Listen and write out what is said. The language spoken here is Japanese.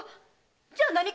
じゃあ何？